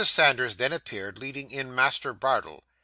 Sanders then appeared, leading in Master Bardell.